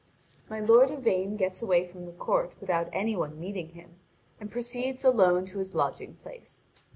(Vv. 723 746.) My lord Yvain gets away from the court without any one meeting him, and proceeds alone to his lodging place.